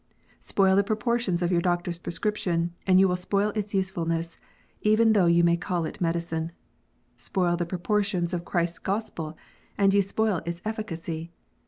Spoil the proportions of your doctor s prescription, and you will spoil its usefulness, even though you may call it medicine. Spoil the proportions of Christ s Gospel, and you spoil its efficacy.